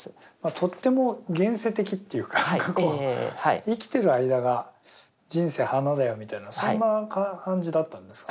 とっても現世的っていうか生きてる間が人生華だよみたいなそんな感じだったんですか？